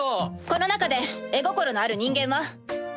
この中で絵心のある人間は？